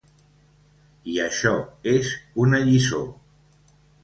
I això és una lliçó.